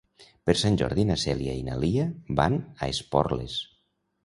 Per Sant Jordi na Cèlia i na Lia van a Esporles.